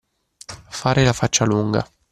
Fare la faccia lunga.